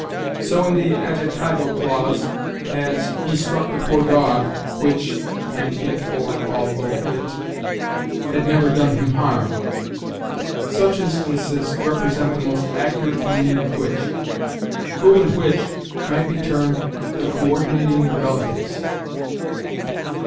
So in the adjectival clause; as, 'He struck the poor dog, which (and it, or although it) had never done him harm.' Such instances represent the most accurate meaning of which. Who and which might be termed the COÖRDINATING RELATIVES.